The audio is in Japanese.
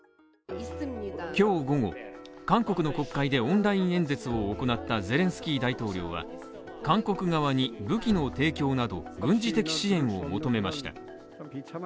今日午後、韓国の国会でオンライン演説を行ったゼレンスキー大統領は韓国側に武器の提供など軍事的支援を求めました。